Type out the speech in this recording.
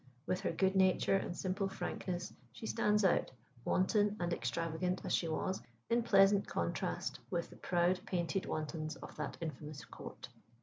with her good nature and simple frankness, she stands out, wanton and extravagant as she was, in pleasant contrast with the proud painted wantons of that infamous court.